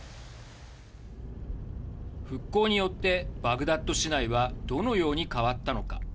復興によってバグダッド市内はどのように変わったのか。